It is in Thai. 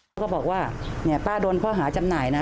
เขาก็บอกว่าเนี่ยป้าโดนเพราะหาจำหน่ายนะ